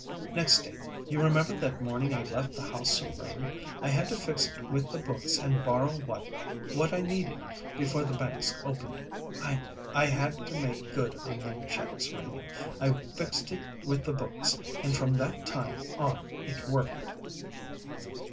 Next day you remember that morning I left the house so early? I had to fix it with the books and borrow what what I needed before the banks opened. I I had to make good on them checks, Renie. I fixed it with the books, and from that time on it worked."